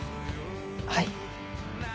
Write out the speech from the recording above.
はい。